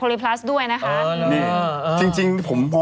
ก็เหนือเหรอ